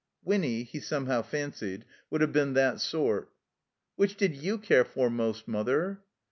(Winny, he somehow fancied, would have been that sort.) "Which did you care for most, Mother?"